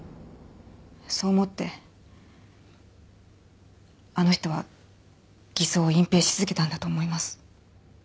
そう思ってあの人は偽装を隠蔽し続けたんだと思います。